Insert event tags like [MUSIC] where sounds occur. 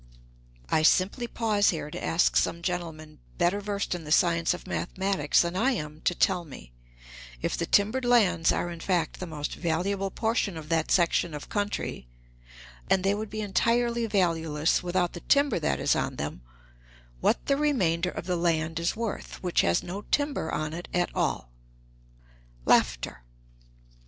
I simply pause here to ask some gentleman better versed in the science of mathematics than I am to tell me, if the timbered lands are in fact the most valuable portion of that section of country, and they would be entirely valueless without the timber that is on them, what the remainder of the land is worth which has no timber on it at all. [LAUGHS]